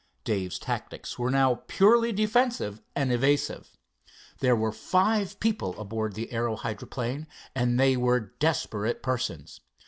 Dave's tactics were now purely defensive and evasive. There were five people aboard the aero hydroplane, and they were desperate persons.